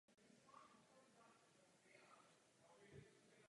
Tváří v tvář globalizaci musí Evropa hovořit jedním hlasem.